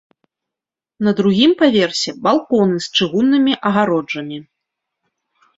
На другім паверсе балконы з чыгуннымі агароджамі.